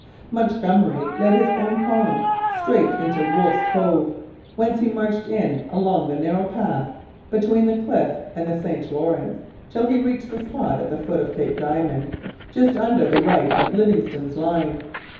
Montgomery led his own column straight to Wolfe's Cove, whence he marched in along the narrow path between the cliff and the St Lawrence till he reached the spot at the foot of Cape Diamond just under the right of Livingston's line.